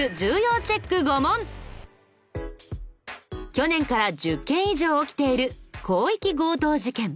去年から１０件以上起きている広域強盗事件。